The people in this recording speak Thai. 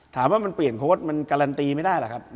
ถามว่ามันเปลี่ยนโพสต์มันการันตีไม่ได้หรือครับ